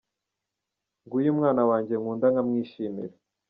Nguyu Umwana wanjye nkunda nkamwishimira